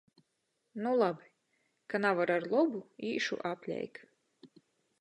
Nu labi! Ka navar ar lobu, īšu apleik.